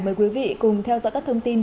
mời quý vị cùng theo dõi các thông tin